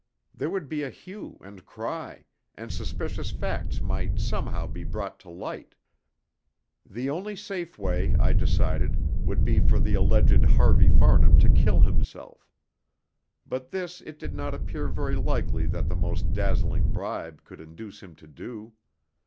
There would be a hue and cry, and suspicious facts might somehow be brought to light. The only safe way, I decided, would be for the alleged Harvey Farnham to kill himself; but this it did not appear very likely that the most dazzling bribe could induce him to do.